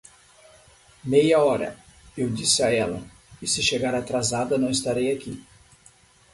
Meia hora, eu disse a ela, e se chegar atrasada não estarei aqui.